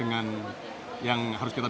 dengan yang harus kita